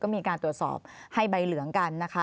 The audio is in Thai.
มีการตรวจสอบให้ใบเหลืองกันนะคะ